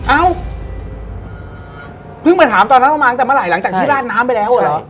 เอ้าเพิ่งมาถามตอนนั้นว่ามาตั้งแต่เมื่อไหร่หลังจากที่ราดน้ำไปแล้วเหรอ